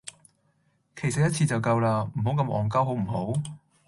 其實一次就夠啦，唔好咁戇鳩好唔好?